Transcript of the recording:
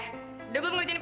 haz udah gue pengen ujiannya